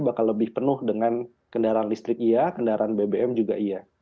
bakal lebih penuh dengan kendaraan listrik iya kendaraan bbm juga iya